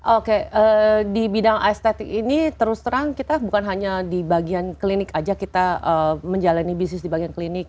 oke di bidang estetik ini terus terang kita bukan hanya di bagian klinik aja kita menjalani bisnis di bagian klinik